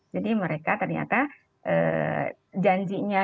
jadi mereka ternyata janjinya